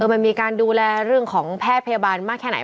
มันมีการดูแลเรื่องของแพทย์พยาบาลมากแค่ไหน